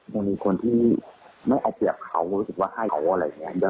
ยังมีคนที่ไม่เอาเปรียบเขารู้สึกว่าให้เขาอะไรอย่างนี้